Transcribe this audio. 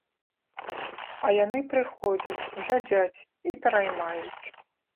А яны прыходзяць, глядзяць і пераймаюць.